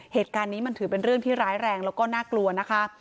เหตุการณ์นี้มันถือเป็นเรื่องที่ร้ายแรงแล้วก็น่ากลัวนะคะ